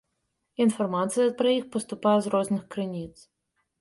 Інфармацыя пра іх паступае з розных крыніц.